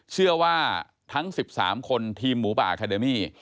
เชื่อว่าทั้ง๑๓คนทีมหมูป่าอาคาเดมี่